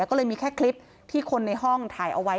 ก็เลยมีแค่คลิปที่คนในห้องถ่ายเอาไว้